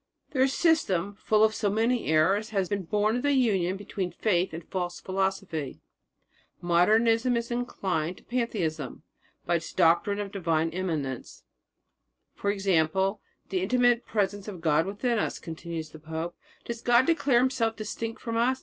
Their system, full of so many errors, has been born of the union between faith and false philosophy." "Modernism is inclined to pantheism by its doctrine of divine immanence i.e., of the intimate presence of God within us," continues the pope. "Does God declare Himself distinct from us?